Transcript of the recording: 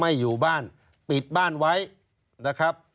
อยู่บ้านปิดบ้านไว้นะครับ